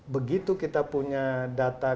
begitu kita punya data